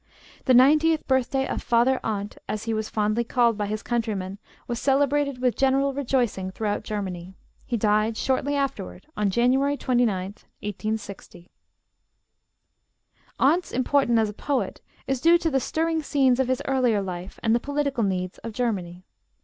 The ninetieth birthday of "Father Arndt," as he was fondly called by his countrymen, was celebrated with general rejoicing throughout Germany. He died shortly afterward, on January 29th, 1860. Arndt's importance as a poet is due to the stirring scenes of his earlier life and the political needs of Germany.